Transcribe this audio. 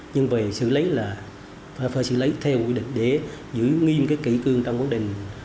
nhưng về xử lý là phải xử lý theo quy định để giữ nghiêm kỹ cương trong quân định